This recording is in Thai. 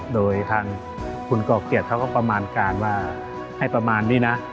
โดยทางคุณก่อเกียรติเขาก็ประมาณการว่าให้ประมาณนี้นะ